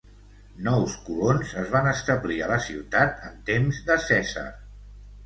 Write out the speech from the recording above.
Nous colons es van establir a la ciutat en temps de Cèsar.